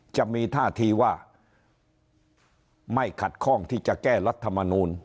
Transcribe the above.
จะมีท่าทีว่าไม่ขัดข้องที่จะแก้รัฐมนูล